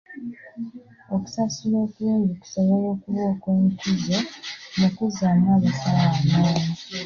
Okusasula okulungi kusobola okuba okw'enkizo mu kuzzaamu abasawo amaanyi .